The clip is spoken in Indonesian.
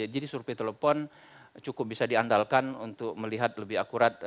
jadi survei telepon cukup bisa diandalkan untuk melihat lebih akurat